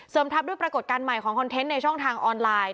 ทับด้วยปรากฏการณ์ใหม่ของคอนเทนต์ในช่องทางออนไลน์